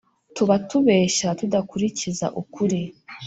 tuba tubeshye tudakurikiza ukuri